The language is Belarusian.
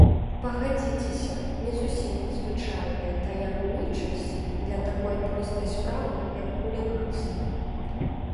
Пагадзіцеся, не зусім звычайная таямнічасць для такой простай справы, як хуліганства!